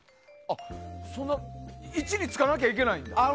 そんな位置につかなきゃいけないの？